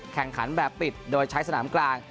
แข่งขันแบบปิดโดยใช้สนามกลาง